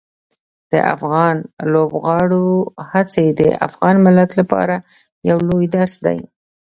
د افغان لوبغاړو هڅې د افغان ملت لپاره یو لوی درس دي.